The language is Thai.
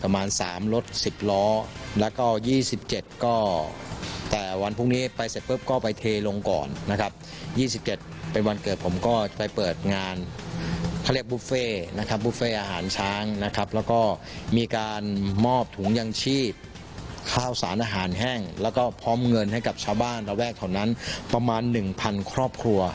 มีการมอบถุงยังชีพข้าวสารอาหารแห้งแล้วก็พร้อมเงินให้กับชาวบ้านระแวกเท่านั้นประมาณ๑๐๐๐ครอบครัว